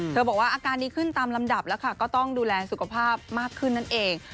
เธอบอกว่าอาการนี้ขึ้นตามลำดับแล้วต้องดูแลสุขภาพนั้นเอง